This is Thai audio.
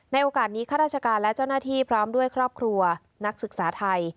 โอกาสนี้ข้าราชการและเจ้าหน้าที่พร้อมด้วยครอบครัวนักศึกษาไทย